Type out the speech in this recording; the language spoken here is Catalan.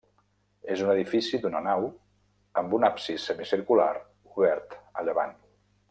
És un edifici d'una nau amb un absis semicircular obert a llevant.